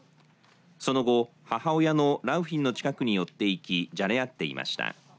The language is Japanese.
その後、母親の良浜の近くに寄っていきじゃれあっていました。